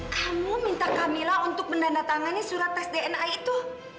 kamu minta kamila untuk menandatangani surat tes dna itu